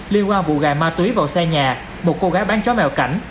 liên quan vụ gà ma túy vào xe nhà một cô gái bán chó mèo cảnh